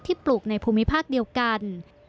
ปลูกในภูมิภาคเดียวกัน